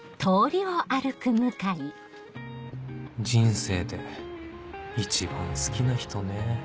人生で一番好きな人ね